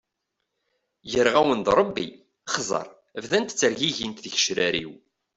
Greɣ-awen-d Rebbi, xẓer, bdant ttergigint tgecrar-iw.